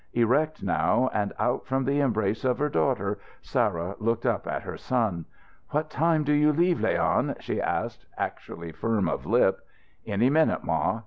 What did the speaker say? Erect now, and out from the embrace of her daughter, Sarah looked up at her son. "What time do you leave, Leon?" she asked, actually firm of lip. "Any minute, ma.